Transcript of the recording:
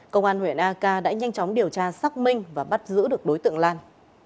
công an huyện eka đã nhanh chóng điều tra xác minh và bắt giữ được đối tượng lan